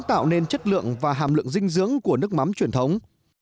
tạo nên chất lượng và hàm lượng dinh dưỡng của nước mắm truyền thống